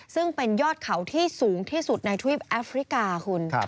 ซึ่งเป็นยอดเขาที่สูงที่สุดในทวีปแอฟริกาคุณ